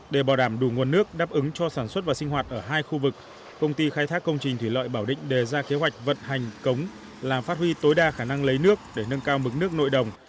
để bảo đảm đủ nguồn nước đáp ứng cho sản xuất và sinh hoạt ở hai khu vực công ty khai thác công trình thủy lợi bảo định đề ra kế hoạch vận hành cống làm phát huy tối đa khả năng lấy nước để nâng cao mức nước nội đồng